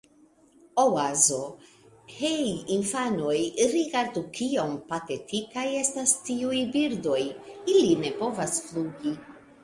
Oazo: "Hej infanoj, rigardu kiom patetikaj estas tiuj birdoj. Ili ne povas flugi."